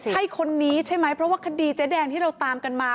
ใช่คนนี้ใช่ไหมเพราะว่าคดีเจ๊แดงที่เราตามกันมา